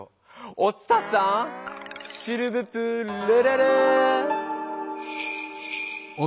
お伝さんシルヴプレレレ！